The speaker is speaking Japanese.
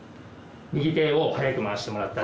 右手を早く回してもらったら。